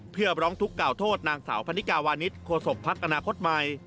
เพื่อร้องทุกข์กล่าวโทษนางสาวพันนิกาวานิสโคศกภักดิ์อนาคตใหม่